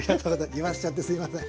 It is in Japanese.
いわしちゃってすいません。